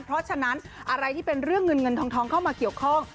เพราะฉะนั้นอะไรที่เป็นเรื่องเงินเงินทองเข้ามาเกี่ยวข้อง